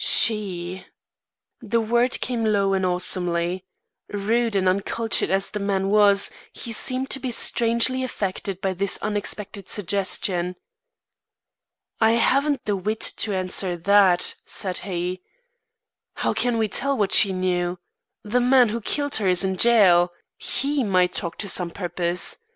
"She!" The word came low and awesomely. Rude and uncultured as the man was, he seemed to be strangely affected by this unexpected suggestion. "I haven't the wit to answer that," said he. "How can we tell what she knew. The man who killed her is in jail. He might talk to some purpose.